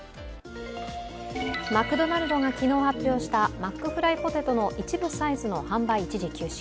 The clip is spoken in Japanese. マクドナルドが昨日発表したマックフライポテトの一部サイズの販売一時休止。